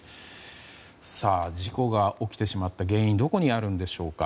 事故が起きてしまった原因はどこにあるんでしょうか。